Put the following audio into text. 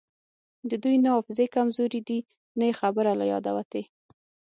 د دوی نه حافظې کمزورې دي نه یی خبره له یاده وتې